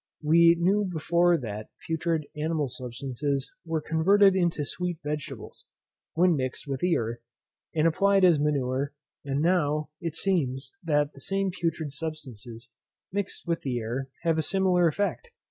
We knew before that putrid animal substances were converted into sweet vegetables, when mixed with the earth, and applied as manure; and now, it seems, that the same putrid substances, mixed with the air, have a similar effect.